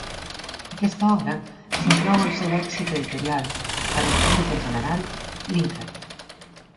Aquesta obra s'inclou al seu èxit editorial per al públic en general , "Linked".